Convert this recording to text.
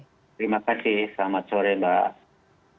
terima kasih selamat sore mbak